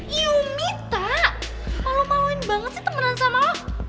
iyumita malu maluin banget sih temenan sama lo